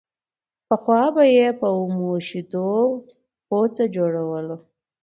پخوا به يې له اومو شيدو پوڅه جوړوله